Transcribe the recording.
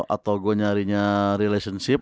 atau gue nyarinya relationship